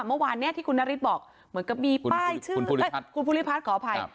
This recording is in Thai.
เมื่อวานเนี้ยที่คุณนาริสบอกเหมือนกับมีป้ายชื่อคุณภูริพัฒน์คุณภูริพัฒน์ขออภัยครับ